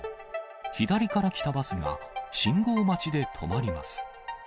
左から来たバスが、信号待ちで止まります。